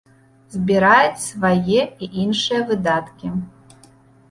Забіраюць сваё і іншыя выдаткі.